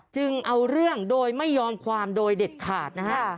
จึงเอาเรื่องโดยไม่ยอมความโดยเด็ดขาดนะฮะ